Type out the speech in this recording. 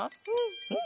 うん！